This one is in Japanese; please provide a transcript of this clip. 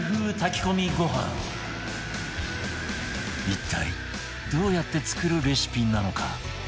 一体どうやって作るレシピなのか？